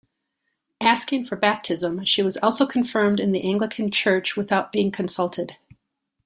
Asking for baptism, she was also confirmed in the Anglican Church without being consulted!